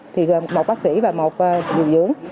thì gồm một bác sĩ và một dù dưỡng